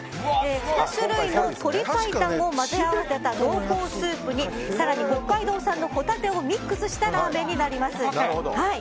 ２種類の鶏白湯を混ぜ合わせた濃厚スープに更に北海道産のホタテをミックスしたラーメンになります。